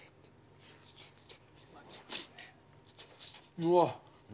うわっ。